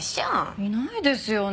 いないですよね